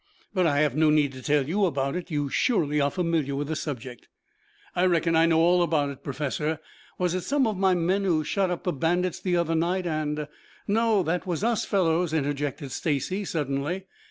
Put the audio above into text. But I have no need to tell you about it. You surely are familiar with the subject." "I reckon I know all about it, Professor. Was it some of my men who shot up the bandits the other night and " "No, that was us fellows," interjected Stacy suddenly.